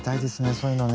そういうのね。